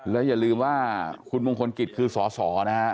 และอย่าลืมว่าคุณมงคลกิจคือสสนะฮะ